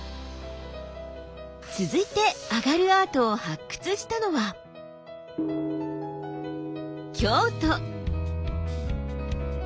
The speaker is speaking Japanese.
続いて「あがるアート」を発掘したのは京都。